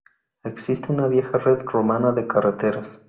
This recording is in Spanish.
Existe una vieja red romana de carreteras.